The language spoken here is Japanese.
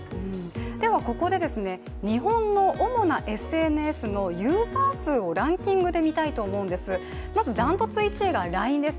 ではここで、日本の主なＳＮＳのユーザー数をランキングで見たいと思うんですまず断トツ１位がＬＩＮＥです。